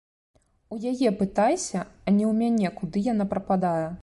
У яе пытайся, а не ў мяне, куды яна прападае.